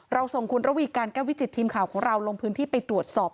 ส่งคุณระวีการแก้ววิจิตทีมข่าวของเราลงพื้นที่ไปตรวจสอบ